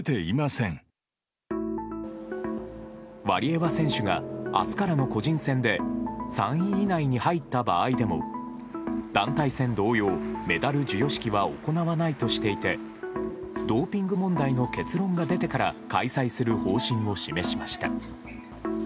ワリエワ選手が明日からの個人戦で３位以内に入った場合でも団体戦同様、メダル授与式は行わないとしていてドーピング問題の結論が出てから開催する方針を示しました。